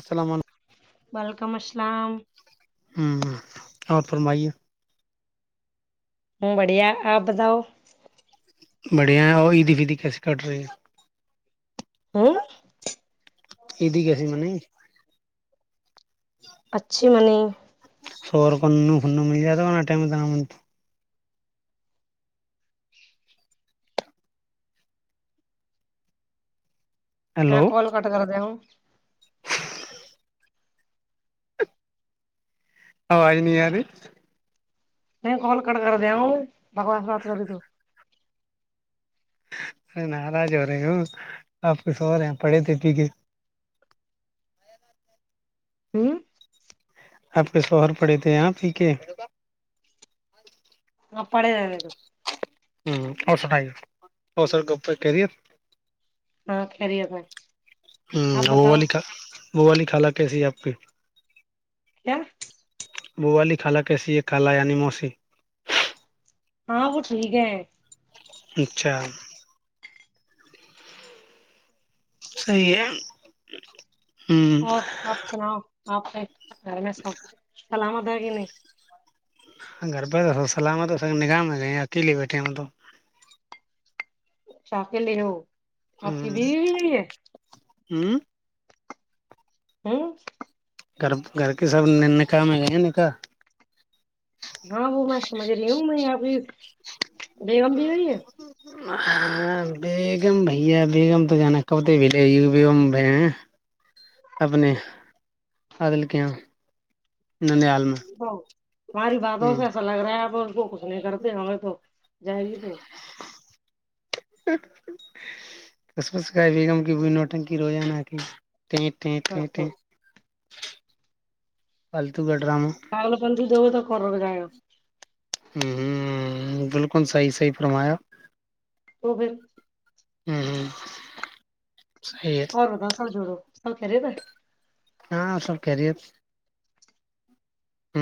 السلام ولکم السلام ہوں ہ اور فرمائیے ہوں بڑھیا آپ بتاؤ بڑھیا ہے اور عیدی فیدی کیسے کٹ رہی ہے ہاں [inaudible] یہیدی گسی م نے اچھی منی شور کون خن مل جاتا ہونا ٹم د م ا ہلو کال کٹ کر دیا ہوں آواز نہیں یار نہیں کال کٹ کر د ہوں بگوان سرات کری تو سر ناراج ہو رہی ہوں آپ کچھ ہو رہے ہیں پڑھے تھے پھے ہوں آپ کے شوہر پڑے تھے یہاں پی کے آ پڑے ج ہ اور سنائیے اور سرپ کہہ دیے ہاں خری آ ب ہوں ہم بالک وہ والی خالا کیسی آپ کے کیا بوالی کالا کیسی یہ کالا یعنی موسی ہاں وہ ٹھیک ہے اچھا صحی ہے [unintelligible] اور آپ سناؤ آاںپ [unintelligible] ا میں س سلامت [unintelligible] پا کی نہیں [unintelligible] گربت سلامت س نگاہ ہے گئی اتی لے بیٹھے ہیں تو شاکلے رہو ہ آپ کی بیوی بھی یہی ہے ہ ہوں گھر گھر کے سب نکا میں گئے ہیں نکاح ہاں وہ میں سمجھ رہی ہوں میں یہ بھی بیگم بھی ہوئی ہے بیگم بھیا بیگم تو جانا کبتے بھی بیم اپنے آ دلک یہ تو ہماری باتوں سے ہ ایسا لگ رہا ہے تو اس کچھ نہیں کرتے ہمیں تو جائے گی تو کسمس کا بیگم کی بئی نوٹنکی روزانہ کی ت ت ہاں تھی تھی تو پل تو [unintelligible] کگل بند د تو [unintelligible] ک لگاو [unintelligible] ہ ہ بالکل صحیح صحی فرمایا اب ہوں ہوں اور و د سا جوڑو اور کرری تھاا ہاں سب کرریر ہ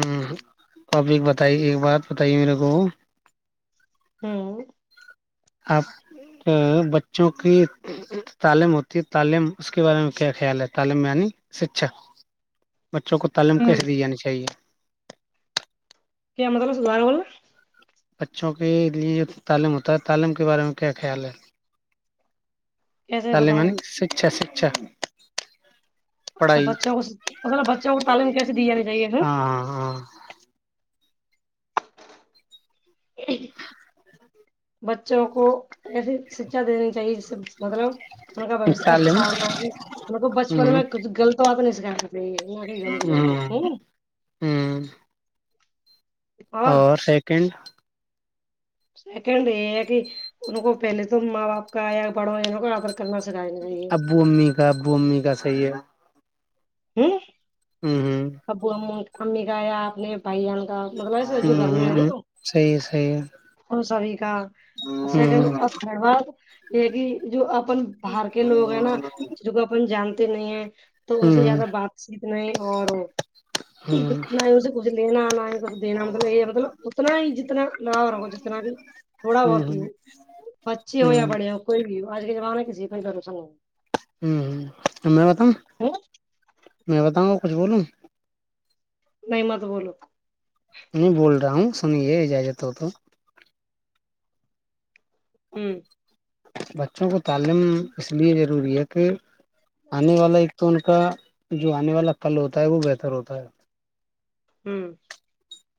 آپک بتائی ایک بات بتائی میرے کو ہوں [unintelligible] [inaudible] بچوں کو تعلیم ہوں کیسے دی جانی چاہیے کیا ہممارلاس لا ہوول بچوں کے لیے جو تعلیم ہوتا ہے تعلیم کے بارے میں کیا خیال ہے کیسے تہے بتاؤں م شکچھا شا اچھا اچھا بچوں کو مطلب بچوں کو تعلیم کیسے دی جانی چاہیے ہاں ہاں ہاں بچوں کو ای شکچا دین چاہیے سم [inaudible] مطلب ان کا تعلیم اچھا ہونا ان کو بچپن ہ میں کچھ غلط بات نہیں ہ [unintelligible] [unintelligible] ہ اور سیکنڈ [unintelligible] سیکنڈ یہ ہے کہ ان کو پہلے تو ماں باپ کایا پڑو ان کو آر ابو امی کا ابو امی کا صحیح ہے ہوں ہ اب ہم امی گایا آپ نے بھائی جان کا مطلب ایسے ہ جو گھر میں ہ ہے ہ نا صحیح ہے صحیح ہے وہ سبھی ہ ہ ہ [unintelligible] ایک ہی جو باہر کے لوگ ہیں نا ج کو اپن جان تو نہیں تو ان سے زیادہ بات چیت نہیں اور نہ ہی اسے کچھ لینا نہ ہی ک دینا مطلب یہ مطلب اتنا ہی جتنا لگاو رہ ہو جتنا بھی تھوڑا ہ بہتتی ہی بچے ہ ہو یا ہ بڑے ہو کوئی بھی ہو آج کے زمانہ کسی ک [unintelligible] ہ ہ ا میں بتاؤں میں بتاؤں کچھ بولوں نہیں م تو بولوتا میں بول رہا ہوں سنیے اجازت ہو تو ہوں بچوں کو تعلیم اس لے ضروری ہے کہ انے والے [unintelligible] تو ان کا جو آنے والا قل ہوتا ہے وہ بہتر ہوتا ہے ہوں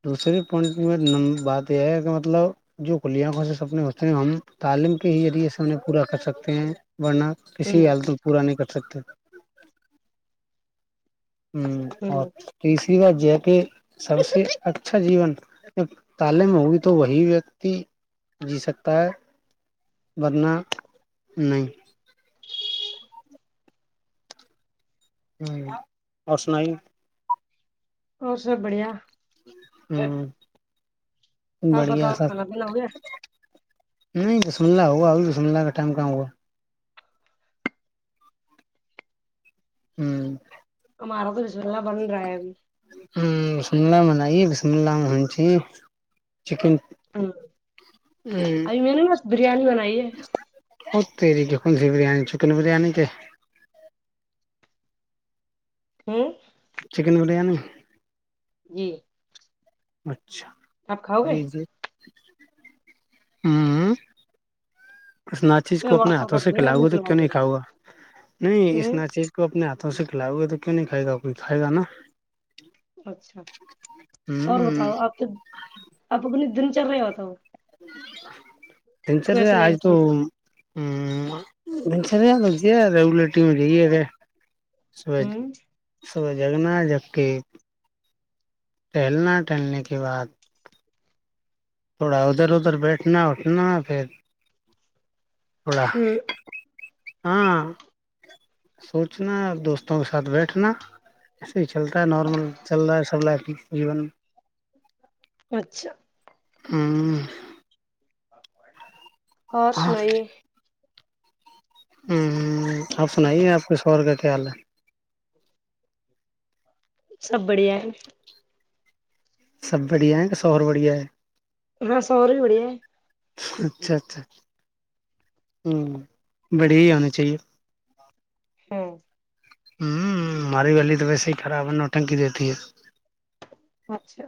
دوسری پوائنٹ میں بات یہ ہے کہ مطلب جو کلیاںکھوں سے سپنے ہوتے ہیں ہم تعلیم کے ہی ذریعے سے انہیں پورا کر سکتے ہیں ورنہ ہوں کسی حالت میں پورا نہیں کر سکتے ہوں [unintelligible] اچھا جی تعلیم ہوئی تو وہی جی سکتا ہے ورنہ نہیں اور سنائیں اور سب بڑھیا ہوں آپ بساؤ کھانا پین ہو گیا نہیں تو سملہ ہوا ابھی تو سمنلہ کا ٹائم کہاں ہوا ہوں ہمارا تو رسالہ بن رہا ہے ہو سملہ میں نہیں سملا میں ہونے چاہیے چکن ہوں ابھی میں نے بس بریانی بنائی ہے تری کے کون سی بریانی چکن بریانی کے ہوں [inaudible] چکن بریانی جی اچھا [unintelligible] اچھا آپ کھاؤ گے جی جی ہوں اس ناچیز میں کو اپنے واٹس ایپ ہاتھوں سے کر دوں گا آپ کھلاؤ گی تو نکلوا کیوں نہیں د کھاؤں گا نہیں اس ہ ناچیز کو اپنے ہاتھوں تو اسے کھلاؤ گے تو کیوں نہیں کھائے گا کوئی کھائے گا نا اچھا اور بتاؤ اپ کے اپ اپنے دل چل رہے ہو تو تین لے آج کے تو سمجھو ا بھنسیا د [unintelligible] یہ ریگولر ٹیم جیے گ س ہ تو جگنا جگ کے ٹہلنا ٹہلنے کے بعد تھوڑا ادھر ادھر بیٹھنا اٹھنا پھر تھوڑا ہوں ہاں سوچنا دوستوں کے ساتھ بیٹھنا صی چلتا ہے نارمل چل رہا ہے سب لائف میں جیبون اچھا ھممم خش نہیںئی ھمم ہ آپ سنائیے آپ کے سور کا تل [unintelligible] سب بڑھیا ہے سب بڑھیا ہے کس اور اور بڑھیا ہے ہاں س رہ بھی بڑییا اچھا اچھا ہ بڑیا ہی ہونا چاہیے ھمم ہوں ہماری گی تو ویسے ہی خراب ہے نوٹنکی دیتی ہے اچھا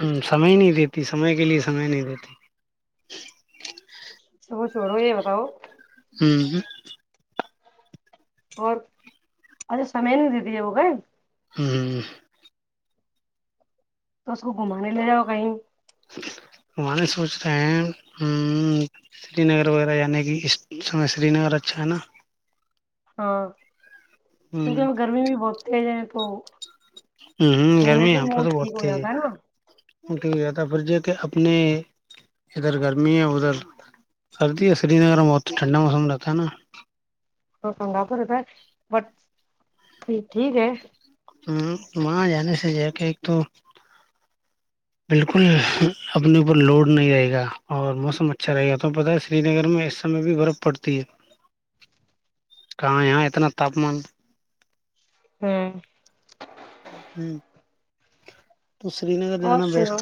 ہ سمئے نہیں دیتی سمے کے لیے سمئے نہیں دیتی س چھوڑو یہ بتاؤ ہوں ہ اور اچھا سمے نہیں دیتی ہے وہ گئے ہ ہ تو اس کو گھمانے لے رہا ہو کہیں وہ نہیں سوچ رہے ہیں ہ سری نگر وغیرہ جانے کی اس سمے سری نگر اچھا ہے نا ہاں ہ کیونکہ ہم گرمی بھی بہت تیز ہے او ہ ہ گرمی یہاں پہ تو بہت تز ہے جاتا نا سفر کہ اپنے ادھر گرمی ہے ادھر سردی ہے سری نگر میں بہت ٹھنڈا موسم رہتا ہے نا تو چنگا پھر پ بٹ ٹھیک ہے ہ وہاں جانے سے ج کے ایک تو بالکل اپنے اوپر لوڈ نہیں رہے گا اور موسم اچھا رہے گا ت پت ہے سری نگر میں اس سمے بھی برف پڑتی ہے کہاں یہاں اتنا تاپمان ھمم ھمم تو سری نگر اور جانا بیسٹ سناؤ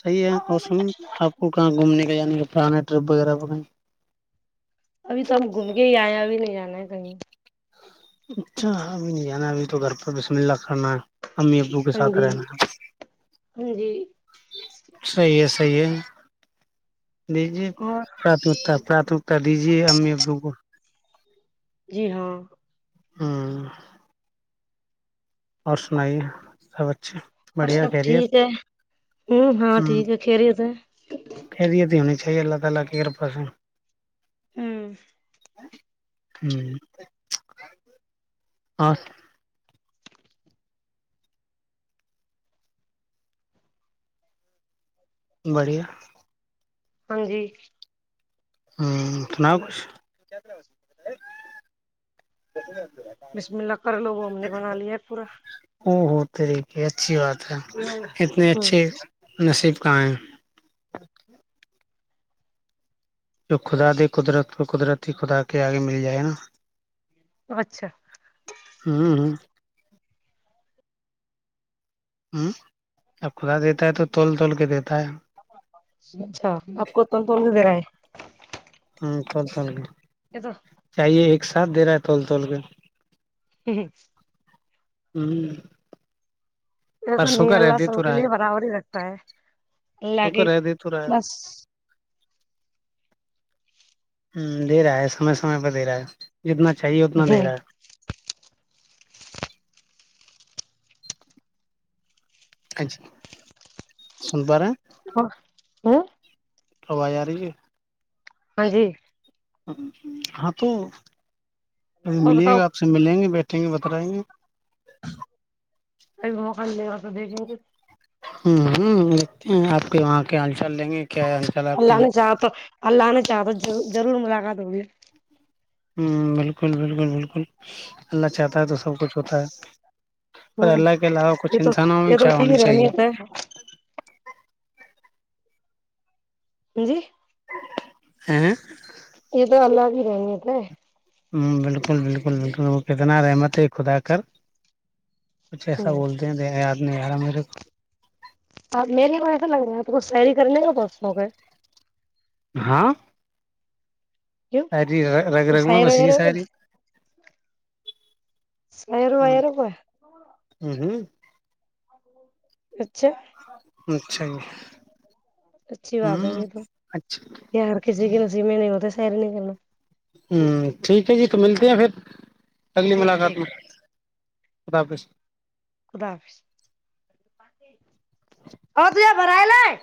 صحیح ہے اور سن آپ کو کہاں گھومنے کا جانے کا پرانے ٹرپ وغیرہ ابھی تو ہم گھوم کے ہی آئے ابھی نہیں جانا ہے کہیں اچھا اب نہیں جان گھر پر بسم اللہ کرنا ہے امی ابو کے ہاں ساتھ جی رہنا ہے ہاں جی صحی ہے صحیح ہے اور نیمکتامکتا دیجیے امی بالک جی ہاں ہاں اور سنائیے سب اچھا اور بڑھیا سب کیریر ٹھیک ہے ہمم ہ ہاں ٹھیک ہے خیریت ہے کیریر دی ہو [unintelligible] ہوں ہ اور بڑھیا ہاں جی ہوں سناؤ کچھ بسم اللہ کر لو وہ ہم نے بنا لیا ہے پورا او ہو طریقے اچھی بات ہے اتنے ہمم اچھے نصیب کہاں ہے جو خدا د قدرت کو قدرتی خدا کے آگے مل جائے نا اچھا ہوں ہ ہ اب خدا دیتا ہے تو توول تول کے دیتا ہے اچھا آپ کو کون کون س دیرا ہے ہ توول گ یہ تو چاہیے ایک ایک ساتھ دے رہا ہے توول توول کے ہ ہوں ایسا پرسوں نہیں کا رہ اللہ دے سب تو کے رہا ہے لیے برابر ہی رکھتا ہے اللہ شکر کی بس ہ دے رہا ہے سمے سمے پہ دے رہا ہے جتنا چاہیے اتنا دے رہا ہے اچھا سن پ رہا ا ہ روائی رہ ہے ہاں جی ہاں تو اور ملیے بتاؤ گا آپ سے ملیں گے بیٹھے ت بت رہائیں گے ا مکان لے گا تو دیکھیں گ ہوں ہ وہاں کے ہل چال دیں گے کیا حال چال آپ کے اللہ یہاں نے چاہ تو اللہ نے چاہا تو ضرور ملاقات ہوگی ہ بالکل بالکل بالکل اللہ چاہتا ہے تو سب کچھ ہوتا ہے پر ہوں اللہ کے علاوہ یہ کچھ تو انسانوں میں یہ تو کیا انی ہونی ہی رہمی ہوتا چاہیے ہے جی ہوں یہ تو اللہ بریانی ال ہ بالکل بالکل بالکل کتنا رحمت ہے خدا کر کچھ ایسا ہوں بولتے ہیںیا نہیں ارا میرے کو آپ میرے کو ایسا لگ رہا ہے آپ کچھ سیری کرنے کا پسوں کو ہاں کیوں ساری رگ وہ رگ میں شاعر بسی وغیرہ ہے ہو ساری گیا شاعر ہ وغیرہ ہوا ہ ہوں اچھا اچھا اچھی بات ہے ہوں یہ تو اچھا یار کسی کے نصیبیں نہیں ہوتے سر نہیں کرنا ہوں ٹھیک ہے جی تو ملتے ہیں پھر اگلی ٹھیک ملاقات ٹھیک میں خدافظ خدا حافظ اور بر ل ہے